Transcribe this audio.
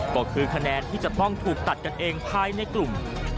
ก็คือคะแนนที่จะต้องถูกตัดกันเองภายในกลุ่ม